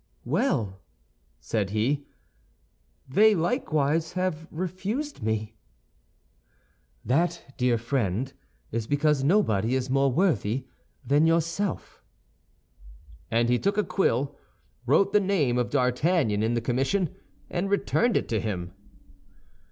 "Well," said he, "they likewise have refused me." "That, dear friend, is because nobody is more worthy than yourself." He took a quill, wrote the name of D'Artagnan in the commission, and returned it to him.